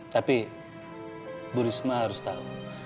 tapi bu risma harus tahu